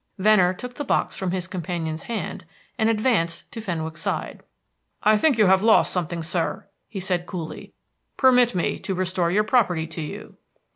Venner took the box from his companion's hand, and advanced to Fenwick's side. "I think you have lost something, sir," he said coolly. "Permit me to restore your property to you."